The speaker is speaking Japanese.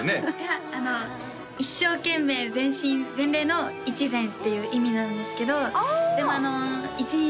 いや一生懸命全身全霊のいちぜん！っていう意味なんですけどでも一日